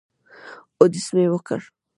اودس مې وکړ.